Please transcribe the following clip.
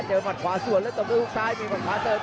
ต้มกับมัดขวาส่วนและต้มด้วยพุธซ้าย